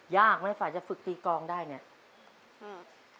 ยากไหมฝ่าจะฝึกตีกลองได้เนี่ย